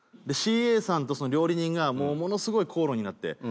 でＣＡさんと料理人がものすごい口論になって。